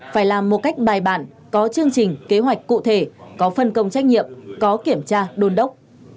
phải làm một cách bài bản có chương trình kế hoạch cụ thể có phân công trách nhiệm có kiểm tra đôn đốc